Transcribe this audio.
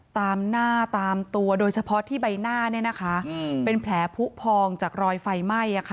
ตามหน้าตามตัวโดยเฉพาะที่ใบหน้าเป็นแผลผู้พองจากรอยไฟไหม้